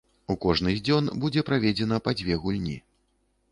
У кожны з дзён будзе праведзена па дзве гульні.